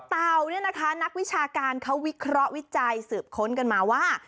เต่าเนี่ยนะคะนักวิชาการเขาวิเคราะห์วิจัยสืบค้นกันมาว่า